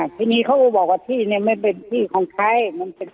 ทีนี้เขาก็บอกว่าชี้เนี่ยไม่เป็นชี้ของใครมันเป็นชี้แสนะ